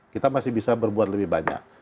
kita masih bisa berbuat lebih banyak